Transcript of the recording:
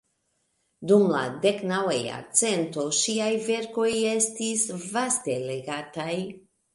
Dum la deknaŭa jarcento ŝiaj verkoj estis vaste legataj.